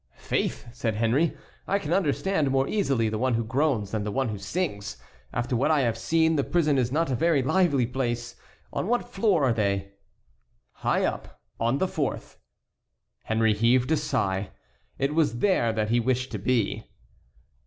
"Faith," said Henry, "I can understand more easily the one who groans than the one who sings. After what I have seen the prison is not a very lively place. On what floor are they?" "High up; on the fourth." Henry heaved a sigh. It was there that he wished to be.